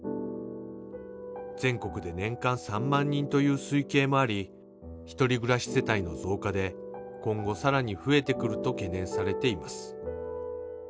全国で年間３万人という推計もあり１人暮らし世帯の増加で今後更に増えてくると懸念されています。